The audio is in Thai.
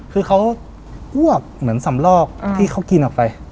คือเขาอ้วกเหมือนสำลอกที่เขากินออกไป